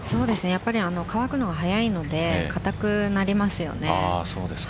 やっぱり乾くのが速いので硬くなりますよね。